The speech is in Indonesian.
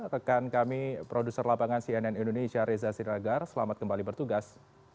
rekan kami produser lapangan cnn indonesia reza siragar selamat kembali bertugas